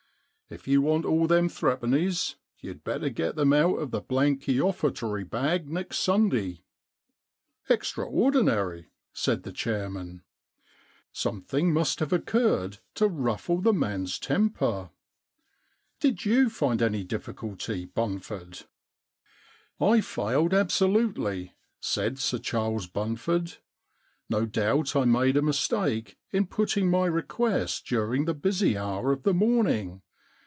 If you want all them threepennies, you'd better get them out of the blanky ofFertory bag next Sunday 1 '* Extraordinary,' said the chairman. * Some thing must have occurred to ruffle the i88 The Threepenny Problem man's temper. Did you find any difficulty, Bunford? '* I failed absolutely,' said Sir Charles Bun ford. * No doubt I made a mistake in putting my request during the busy hour of the morn ing.